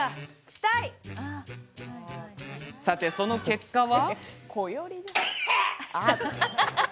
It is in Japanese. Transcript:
さて、その結果は。